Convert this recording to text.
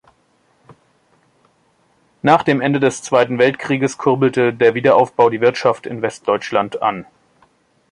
Nach dem Ende des Zweiten Weltkrieges kurbelte der Wiederaufbau die Wirtschaft in Westdeutschland an.